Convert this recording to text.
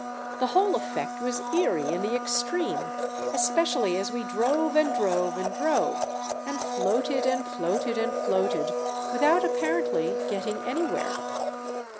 The whole effect was eery in the extreme, especially as we drove and drove and drove, and floated and floated and floated, without apparently getting anywhere.